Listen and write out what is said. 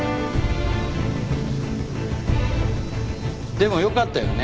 でもよかったよね